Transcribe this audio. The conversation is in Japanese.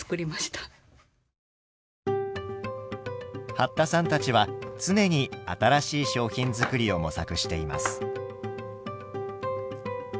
八田さんたちは常に新しい商品作りを模索しています。